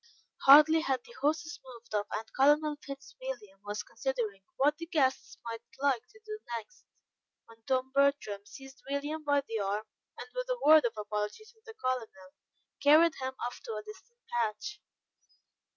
Hardly had the horses moved off, and Colonel Fitzwilliam was considering what the guests might like to do next, when Tom Bertram seized William by the arm, and with a word of apology to the Colonel, carried him off to a distant patch.